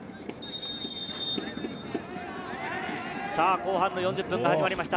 後半４０分が始まりました。